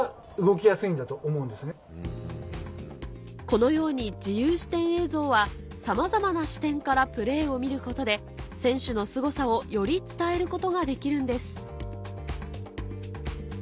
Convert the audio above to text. このように自由視点映像はさまざまな視点からプレーを見ることで選手のすごさをより伝えることができるんです